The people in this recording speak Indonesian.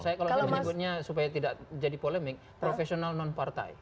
oke kalau saya menyebutnya supaya tidak jadi polemik professional non partai